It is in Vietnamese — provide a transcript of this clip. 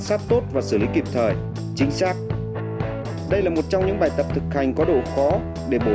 sát tốt và xử lý kịp thời chính xác đây là một trong những bài tập thực hành có độ khó để bổ